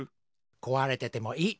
こわれててもいい。